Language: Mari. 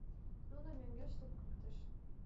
Нуно мӧҥгеш супкыктышт.